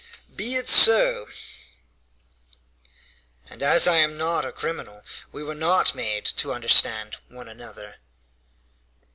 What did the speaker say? "Be it so." "And as I am not a criminal we were not made to understand one another."